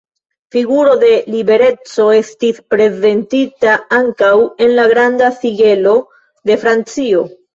Figuro de Libereco estis prezentita ankaŭ en la Granda Sigelo de Francio.